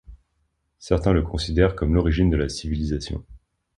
Certains le considèrent comme l'origine de la civilisation.